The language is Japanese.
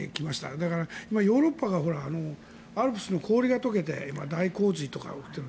だからヨーロッパがアルプスの氷が解けて今、大洪水とか起きている。